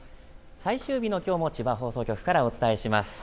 最終日のきょうも千葉放送局からお伝えします。